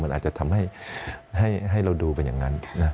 มันอาจจะทำให้เราดูเป็นอย่างนั้น